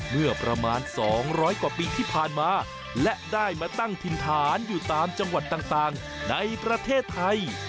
เมื่อประมาณ๒๐๐กว่าปีที่ผ่านมาและได้มาตั้งถิ่นฐานอยู่ตามจังหวัดต่างในประเทศไทย